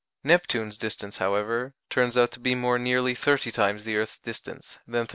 Neptune's distance, however, turns out to be more nearly 30 times the earth's distance than 38·8.